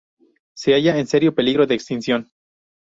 Se halla en serio peligro de extinción.